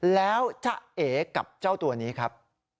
แล้วจะเอกับเจ้าตัวนี้ครับ